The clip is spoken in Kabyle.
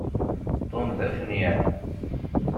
Tom d afenyan.